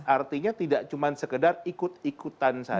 artinya tidak cuma sekedar ikut ikutan saja